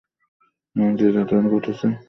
এমন যে কতদিন ঘটেছে তার সংখ্যা নেই।